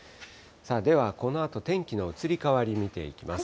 では、このあと移り変わり見ていきます。